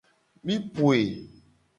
Mi poe.